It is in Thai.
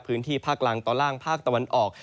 พื้นที่ภาคล่างตอนล่างภาคตะวันออก